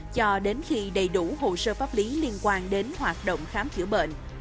cho đến khi đầy đủ hồ sơ pháp lý liên quan đến hoạt động khám chữa bệnh